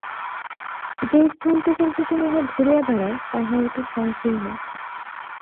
যে স্থানটুকুর ভিতর উহা ঘুরিয়া বেড়ায়, তাহা অতি সঙ্কীর্ণ।